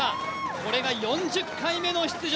これが４０回目の出場